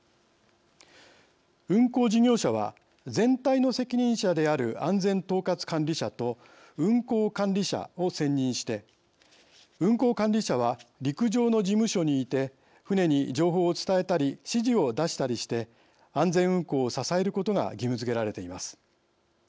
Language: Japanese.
運航事業者は全体の責任者である安全統括管理者と運航管理者を選任して運航管理者は陸上の事務所にいて船に情報を伝えたり指示を出したりして安全運航を支えることが義務づけられています。